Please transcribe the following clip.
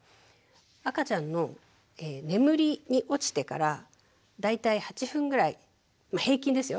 赤ちゃんの眠りに落ちてから大体８分ぐらい平均ですよ